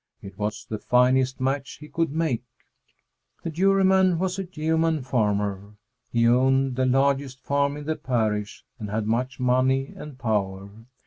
It was the finest match he could make. The Juryman was a yeoman farmer. He owned the largest farm in the parish and had much money and power.